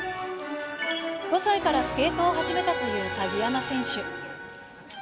５歳からスケートを始めたという鍵山選手。